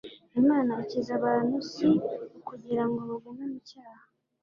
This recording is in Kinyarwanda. Imana ikiza abantu, si ukugira ngo bagume mu cyaha,